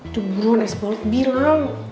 cumburan es bolet bilang